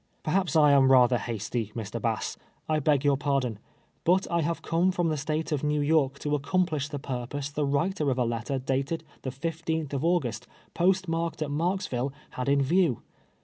" Perhaps I am rather hasty, Mr. Bass ; I beg your pardon ; but I have come from the State of ]^ew York to accomplish the purpose the writer of a letter dated the 15th of August, post marked at JMarksville, had in view.